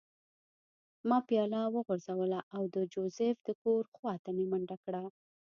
ما پیاله وغورځوله او د جوزف د کور خوا ته مې منډه کړه